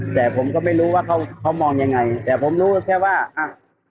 แต่ผมก็ไม่รู้ว่าเขาเขามองยังไงแต่ผมรู้แค่ว่าอ่ะ